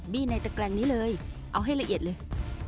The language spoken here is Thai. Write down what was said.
ในตะแกรงนี้เลยเอาให้ละเอียดเลย